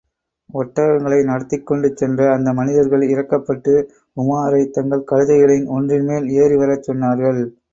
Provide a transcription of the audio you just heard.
ஒட்டகங்களை நடத்திக்கொண்டு சென்ற அந்த மனிதர்கள் இரக்கப்பட்டு, உமாரைத் தங்கள் கழுதைகளில் ஒன்றின்மேல் ஏறி வரச் சொன்னார்கள்.